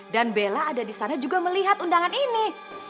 dan bella ada di sana juga melihat undangan ini